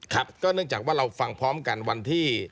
ครับก็เนื่องจากว่าเราฟังพร้อมกันวันที่